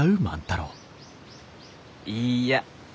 いいや。